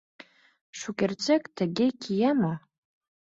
Шукертсек тыге кия мо?